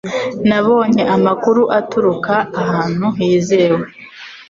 Nabonye amakuru aturuka ahantu hizewe.